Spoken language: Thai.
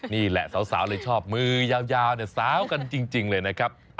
นี่แหละสาวเลยชอบมือยาวเนี่ยสาวกันจริงเลยนะครับ